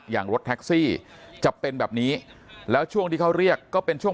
รถแท็กซี่จะเป็นแบบนี้แล้วช่วงที่เขาเรียกก็เป็นช่วง